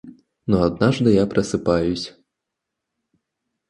Но однажды я просыпаюсь...